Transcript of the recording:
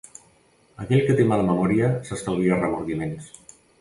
Aquell que té mala memòria s'estalvia remordiments.